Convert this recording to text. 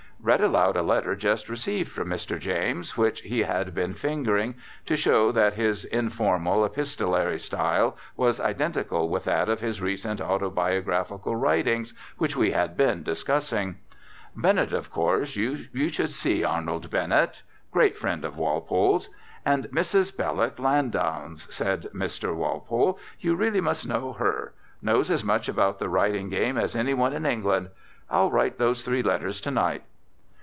Read aloud a letter just received from Mr. James, which he had been fingering, to show that his informal, epistolary style was identical with that of his recent autobiographical writings, which we had been discussing. "Bennett, of course you should see Arnold Bennett." Great friend of Walpole's. "And Mrs. Belloc Lowndes," said Mr. Walpole, "you really must know her; knows as much about the writing game as any one in England. I'll write those three letters to night."